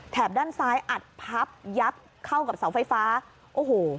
ด้านซ้ายอัดพับยับเข้ากับเสาไฟฟ้าโอ้โห